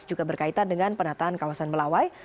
juga berkaitan dengan penataan kawasan melawai